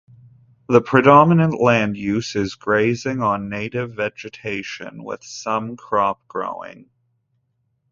The predominant land use is grazing on native vegetation with some crop growing.